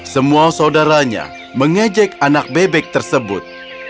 semua saudaranya mengejek anak bebek tersebut